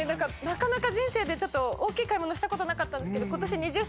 なかなか人生で大きい買い物したことなかったんですけど。